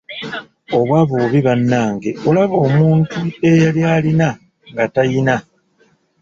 Obwavu bubi bannange olaba omuntu eyali alina nga tayina.